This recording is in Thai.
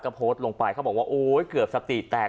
ก็โพสต์ลงไปเขาบอกว่าโอ๊ยเกือบสติแตก